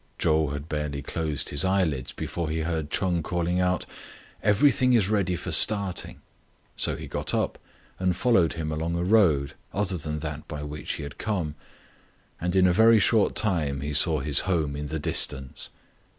Chou had barely closed his eyelids before he heard Ch'eng call out, " Everything is ready for starting !" So he got up and followed him along a road other than that by which he had come, and in a very short time he saw his home in the distance.